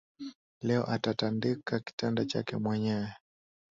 Leo atatandika kitanda chake mwenyewe